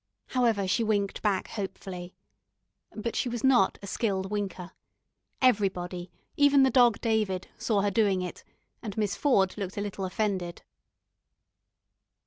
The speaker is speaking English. However, she winked back hopefully. But she was not a skilled winker. Everybody even the Dog David saw her doing it, and Miss Ford looked a little offended.